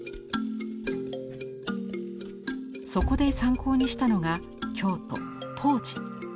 そこで参考にしたのが京都・東寺。